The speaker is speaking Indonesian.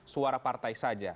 suara partai saja